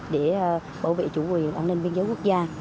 để bảo vệ chủ quyền an ninh biên giới quốc gia